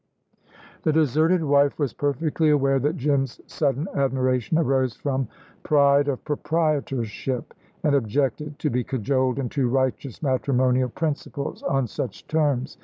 The deserted wife was perfectly aware that Jim's sudden admiration arose from pride of proprietorship, and objected to be cajoled into righteous matrimonial principles on such terms.